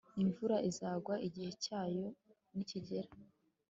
Imvura izagwa igihe cyayo nikigera